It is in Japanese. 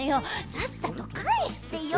さっさとかえしてよ。